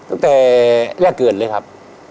ตั้งแต่แรกเกิดเลยครับ